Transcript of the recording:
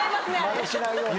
まねしないように。